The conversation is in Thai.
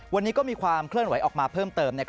วันนี้ก็มีความเคลื่อนไหวออกมาเพิ่มเติม